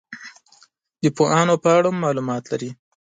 د پوهانو په اړه هم معلومات لري.